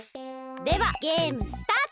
ではゲームスタート！